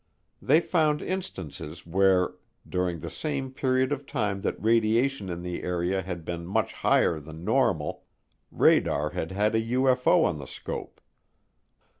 They found instances where, during the same period of time that radiation in the area had been much higher than normal, radar had had a UFO on the scope.